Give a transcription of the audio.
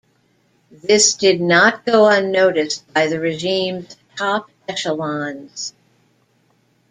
This did not go unnoticed by the regime's top echelons.